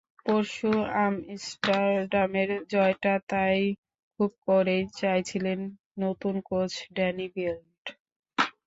পরশু আমস্টারডামের জয়টা তাই খুব করেই চাইছিলেন নতুন কোচ ড্যানি ব্লিন্ড।